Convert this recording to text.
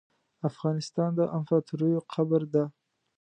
افغانستان د امپراتوریو قبر ده .